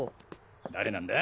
誰なんだ？